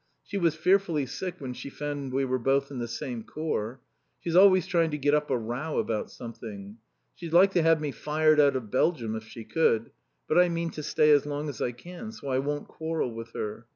She was fearfully sick when she found we were both in the same Corps. She's always trying to get up a row about something. She'd like to have me fired out of Belgium if she could, but I mean to stay as long as I can, so I won't quarrel with her.